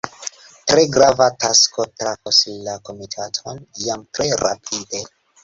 Tre grava tasko trafos la komitaton jam tre rapide.